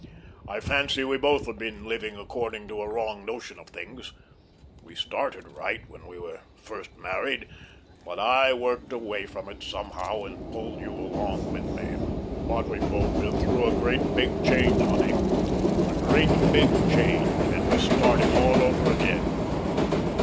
I fancy we both have been living according to a wrong notion of things. We started right when we were first married, but I worked away from it somehow and pulled you along with me. But we've both been through a great big change, honey, a great big change, and we're starting all over again....